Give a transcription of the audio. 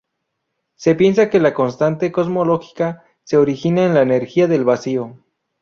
Se piensa que la constante cosmológica se origina en la energía del vacío.